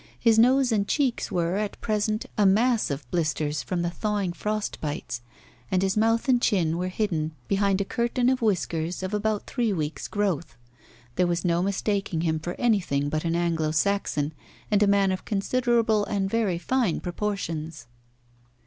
His nose and cheeks were, at present, a mass of blisters from the thawing frost bites, and his mouth and chin were hidden behind a curtain of whisker of about three weeks' growth. There was no mistaking him for anything but an Anglo Saxon, and a man of considerable and very fine proportions.